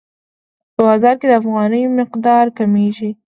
په بازار کې د افغانیو مقدار کمیږي.